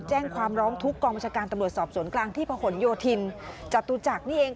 แจ้งความร้องทุกข์กองบัญชาการตำรวจสอบสวนกลางที่ผนโยธินจตุจักรนี่เอง